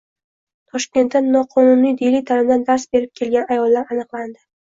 Toshkentda noqonuniy diniy ta’limdan dars berib kelgan ayollar aniqlandi